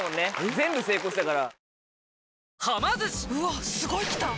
全部成功したから。